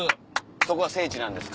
そこは聖地なんですか？